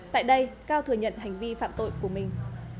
tại đây cao thừa nhận hành vi phạm tội của mình